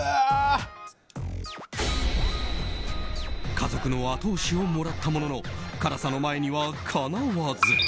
家族の後押しをもらったものの辛さの前にはかなわず。